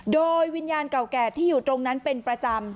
โดยวิญญาณเก่าแก่ที่อยู่ตรงนั้นเป็นประจำ